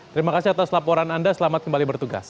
terima kasih atas laporan anda selamat kembali bertugas